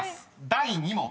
第２問］